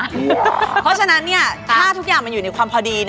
เพราะฉะนั้นถ้าทุกอย่างมันอยู่ในความพอดี